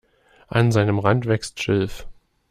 An seinem Rand wächst Schilf.